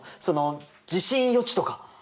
その地震予知とか。